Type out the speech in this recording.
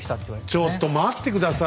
ちょっと待って下さい！